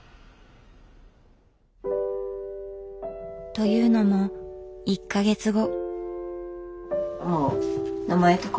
というのも１か月後。